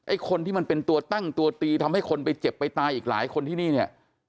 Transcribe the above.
คนที่มันเป็นตัวตั้งตัวตีทำให้คนไปเจ็บไปตายอีกหลายคนที่นี่เนี่ย